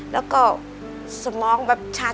แล้วก็สมองแบบชัด